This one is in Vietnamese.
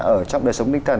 ở trong đời sống tinh thần